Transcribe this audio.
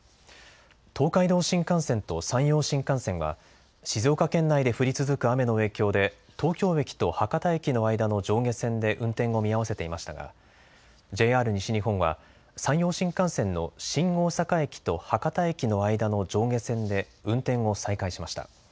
東海道新幹線と山陽新幹線は静岡県内で降り続く雨の影響で東京駅と博多駅の間の上下線で運転を見合わせていましたがＪＲ西日本は山陽新幹線の新大阪駅と博多駅の間の上下線で運転を再開しました。